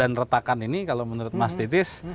dan retakan ini kalau menurut mas titis